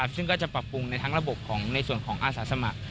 ซึ่งก็จะปรับปรุงในทั้งระบบของในส่วนของอาสาสมัคร